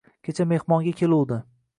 – Kecha mehmonga keluvdi